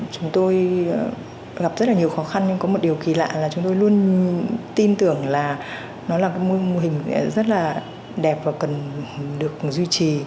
chúng tôi gặp rất là nhiều khó khăn nhưng có một điều kỳ lạ là chúng tôi luôn tin tưởng là nó là cái mô hình rất là đẹp và cần được duy trì